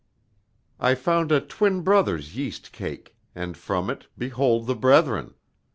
I found a Twin Brothers yeast cake, and from it, behold the brethren!